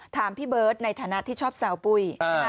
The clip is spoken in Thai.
พี่เบิร์ตในฐานะที่ชอบแซวปุ้ย